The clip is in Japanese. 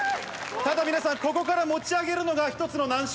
ただ皆さん、ここから持ち上げるのが一つの難所。